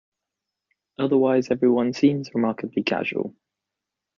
Otherwise every one seems remarkably casual.